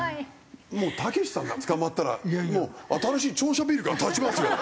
もうたけしさんが捕まったら新しい庁舎ビルが建ちますよ